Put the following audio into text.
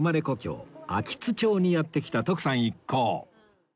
故郷秋津町にやって来た徳さん一行